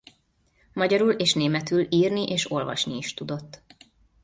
Magyarul és németül írni és olvasni is tudott.